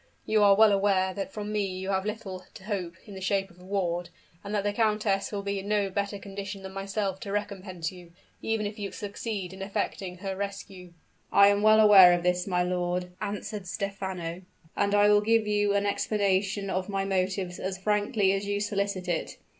You are well aware that from me you have little to hope in the shape of reward; and that the countess will be in no better condition than myself to recompense you, even if you succeed in effecting her rescue." "I am well aware of this, my lord," answered Stephano; "and I will give you an explanation of my motives as frankly as you solicit it.